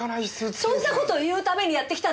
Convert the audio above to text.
そんな事を言うためにやってきたんですか？